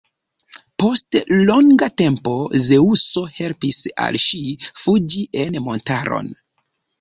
Post longa tempo Zeŭso helpis al ŝi fuĝi en montaron.